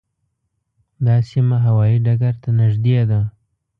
دا سیمه هوايي ډګر ته نږدې ده.